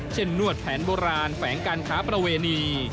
นวดแผนโบราณแฝงการค้าประเวณี